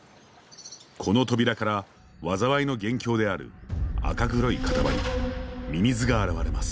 この扉から災いの元凶である赤黒い塊「ミミズ」が現れます。